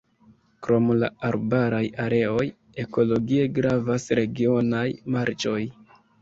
Krom la arbaraj areoj ekologie gravas regionaj marĉoj.